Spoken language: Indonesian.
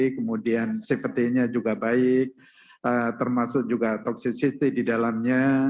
kemudian safety nya juga baik termasuk juga toxic safety di dalamnya